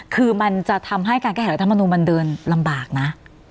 คือมันจะทำให้การแก้ไขรัฐมนุนมันเดินลำบากนะ